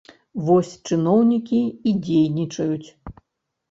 Вось чыноўнікі і дзейнічаюць!